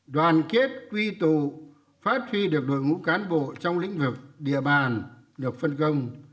đoàn kết quy tụ phát huy được đội ngũ cán bộ trong lĩnh vực địa bàn được phân công